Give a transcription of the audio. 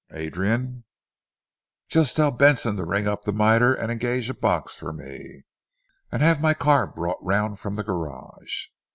Adrian, just tell Benson to ring up the Mitre and engage a box for me, and have my car brought round from the garage."